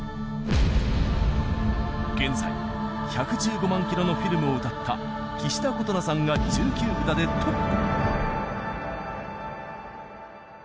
現在『１１５万キロのフィルム』を歌った岸田琴那さんが１９札でトップ。